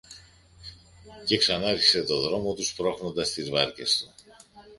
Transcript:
Και ξανάρχισε το δρόμο του, σπρώχνοντας τις βάρκες του